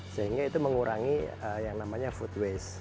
sehingga itu mengurangi yang namanya food waste